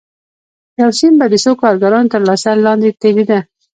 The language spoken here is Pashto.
یو سیم به د څو کارګرانو تر لاس لاندې تېرېده